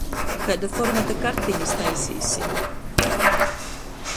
Kaida formata kartenis taiseisim?